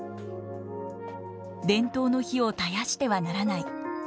伝統の灯を絶やしてはならない。